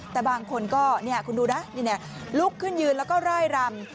แต่บางคนก็เนี่ยคุณดูนะนี่เนี่ยลุกขึ้นยืนแล้วก็ไล่รำ